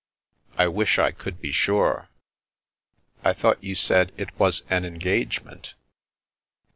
" I wish I could be sure." " I thought you said it was an engagement."